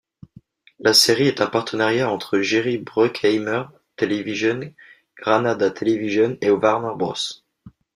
La série est un partenariat entre Jerry Bruckheimer Television, Granada Television et Warner Bros.